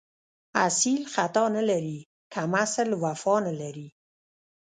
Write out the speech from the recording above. اصیل خطا نه لري، کم اصل وفا نه لري